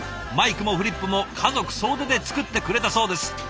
マイクもフリップも家族総出で作ってくれたそうです。